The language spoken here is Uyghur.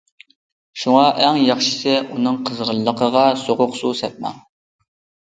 شۇڭا ئەڭ ياخشىسى ئۇنىڭ قىزغىنلىقىغا سوغۇق سۇ سەپمەڭ.